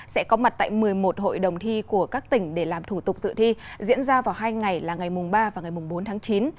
sẽ có mặt tại một mươi một hội đồng thi của các tỉnh để làm thủ tục dự thi diễn ra vào hai ngày là ngày ba và ngày bốn tháng chín